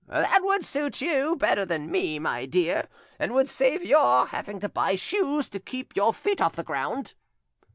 "That would suit you better than me, my dear, and would save your having to buy shoes to keep your feet off the ground!"